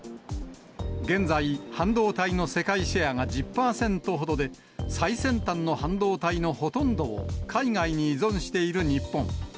現在、半導体の世界シェアが１０％ほどで、最先端の半導体のほとんどを海外に依存している日本。